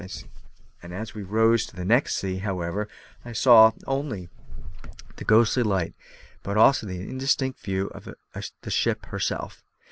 As we rose to the next sea, however, I not only saw the ghostly light, but also got an indistinct view of the ship herself.